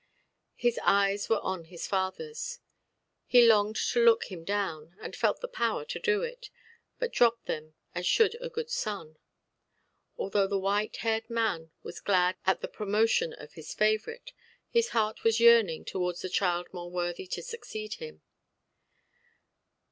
His eyes were on his fatherʼs. He longed to look him down, and felt the power to do it; but dropped them as should a good son. Although the white–haired man was glad at the promotion of his favourite, his heart was yearning towards the child more worthy to succeed him.